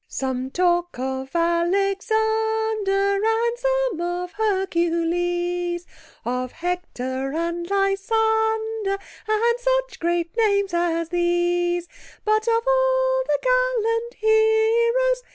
"Some talk of Alexander, And some of Hercules, Of Hector and Lysander, And such great names as these. But of all the gallant heroes..."